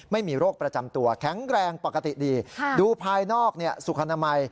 ไม่มีโรคประจำตัวแข็งแรงปกติดีดูภายนอกสุขนามัย